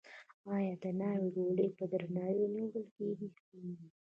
آیا د ناوې ډولۍ په درناوي نه وړل کیږي؟